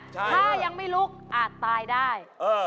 ถ้ายังไม่ลุกอาจตายได้